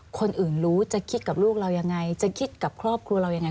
คนอื่นรู้จะคิดกับลูกเรายังไงจะคิดกับครอบครัวเรายังไง